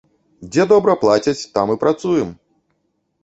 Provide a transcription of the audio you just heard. Дзе добра плацяць, там і працуем!